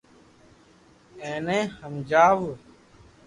ايني ھمجاو